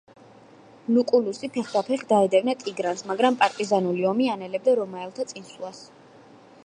ლუკულუსი ფეხდაფეხ დაედევნა ტიგრანს, მაგრამ პარტიზანული ომი ანელებდა რომაელთა წინსვლას.